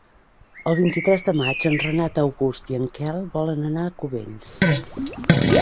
El vint-i-tres de maig en Renat August i en Quel volen anar a Cubells.